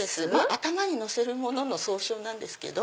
頭に乗せるものの総称なんですけど。